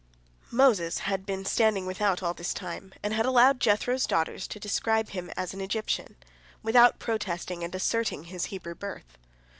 Moses had been standing without all this time, and had allowed Jethro's daughters to describe him as an Egyptian, without protesting and asserting his Hebrew birth.